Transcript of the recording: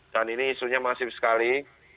dan ini isunya masif sekali